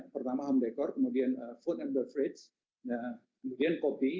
pertama home decord kemudian food and beverage kemudian kopi